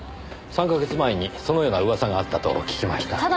３か月前にそのような噂があったと聞きました。